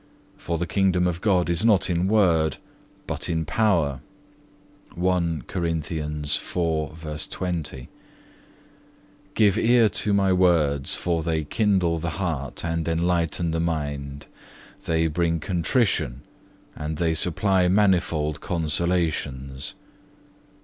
For the kingdom of God is not in word, but in power.(1) Give ear to My words, for they kindle the heart and enlighten the mind, they bring contrition, and they supply manifold consolations.